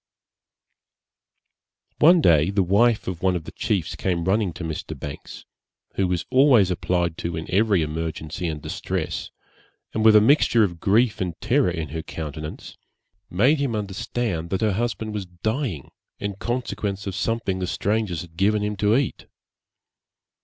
One day the wife of one of the chiefs came running to Mr. Banks, who was always applied to in every emergency and distress, and with a mixture of grief and terror in her countenance, made him understand that her husband was dying, in consequence of something the strangers had given him to eat.